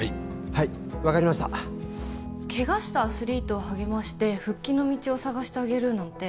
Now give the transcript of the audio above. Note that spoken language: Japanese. はい分かりましたケガしたアスリートを励まして復帰の道を探してあげるなんて